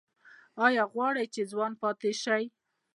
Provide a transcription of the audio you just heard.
ایا غواړئ چې ځوان پاتې شئ؟